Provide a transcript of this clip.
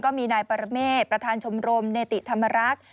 ก็มีนายปรเมฆประธานชมรมเนติธรรมรักษ์